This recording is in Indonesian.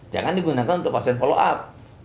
jangan digunakan untuk pasien follow up